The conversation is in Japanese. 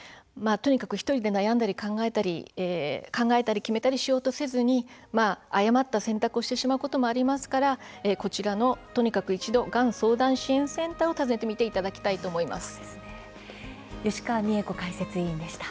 １人で悩んだり考えたり決めたりしようとせずに誤った選択をしてしまうこともありますからこちらの、とにかく一度がん相談支援センターを訪ねてみていただきたいと吉川美恵子解説委員でした。